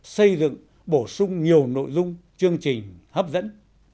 xây dựng bổ sung nhiều nội dung chương trình hấp dẫn